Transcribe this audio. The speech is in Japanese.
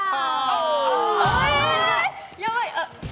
やばい！